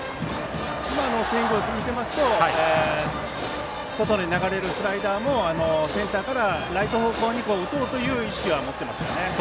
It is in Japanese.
今のスイングを見てますと外に流れるスライダーもセンターからライト方向に打とうという意識は持っていますね。